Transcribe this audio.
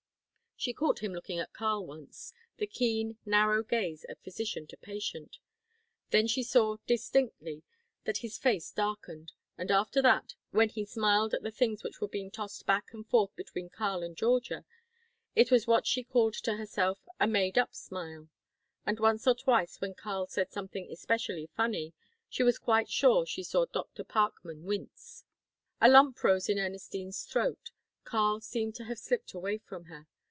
She caught him looking at Karl once; the keen, narrow gaze of physician to patient. Then she saw, distinctly, that his face darkened, and after that, when he smiled at the things which were being tossed back and forth between Karl and Georgia, it was what she called to herself a "made up smile"; and once or twice when Karl said something especially funny, she was quite sure she saw Dr. Parkman wince. A lump rose in Ernestine's throat; Karl seemed to have slipped away from her.